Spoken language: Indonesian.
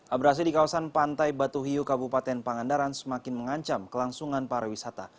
abrasi di kawasan pantai batuhiu kabupaten pangandaran semakin mengancam kelangsungan para wisata